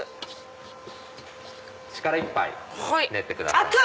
力いっぱい練ってください。